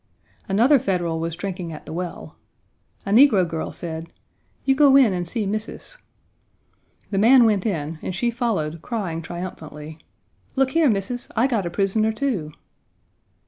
Another Federal was drinking at the well. A negro girl said: "You go in and see Missis." The man went in and she followed, crying triumphantly: "Look here, Missis, I got a prisoner, too!"